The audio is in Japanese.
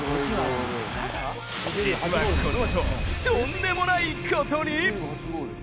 実はこのあと、とんでもないことに。